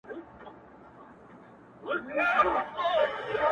ستا سومه، چي ستا سومه، چي ستا سومه~